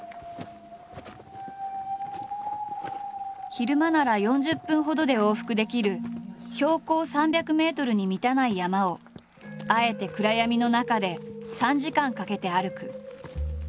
昼間なら４０分ほどで往復できる標高３００ｍに満たない山をあえて暗闇の中で３時間かけて歩く。